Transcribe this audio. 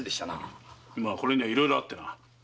まあこれにはいろいろあってな。